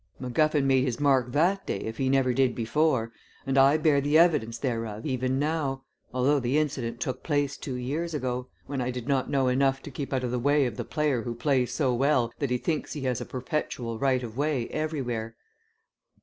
McGuffin made his mark that day if he never did before, and I bear the evidence thereof even now, although the incident took place two years ago, when I did not know enough to keep out of the way of the player who plays so well that he thinks he has a perpetual right of way everywhere.